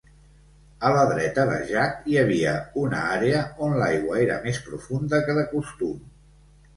A la dreta de Jack hi havia una àrea on l'aigua era més profunda que de costum.